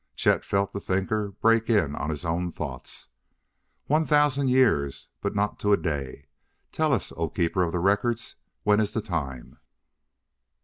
Chet felt the thinker break in on his own thoughts. "One thousand years, but not to a day. Tell us, O Keeper of the Records, when is the time?"